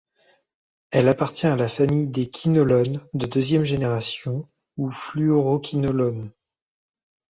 Elle appartient à la famille des quinolones de deuxième génération ou fluoroquinolones.